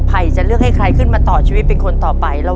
จะเลือกให้ใครขึ้นมาต่อชีวิตเป็นคนต่อไป